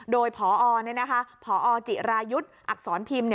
โดยพอจิรายุทธ์อักษรพิมพ์